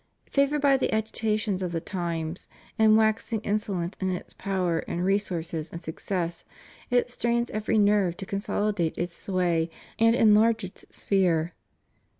Favored by the agitations of the times, and waxing inso lent in its power and resources and success, it strains every nerve to consolidate its sway and enlarge its sphere.